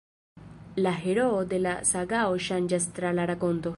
La heroo de la sagao ŝanĝas tra la rakonto.